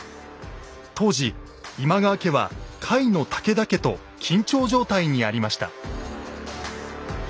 当時今川家は甲斐の武田家と緊張状態にありました。